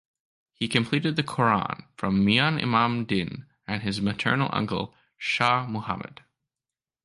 He completed the Quran from Mian Imam Din and his maternal uncle Shah Muhammad.